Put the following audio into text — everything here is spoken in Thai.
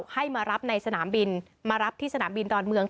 ให้มารับในสนามบินมารับที่สนามบินดอนเมือง